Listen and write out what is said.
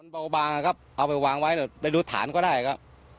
ไปวางไว้ไปดูฐานก็ได้นะครับ